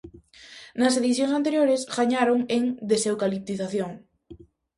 Nas edicións anteriores gañaron en "deseucaliptización".